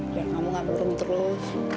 biar kamu ngaburin terus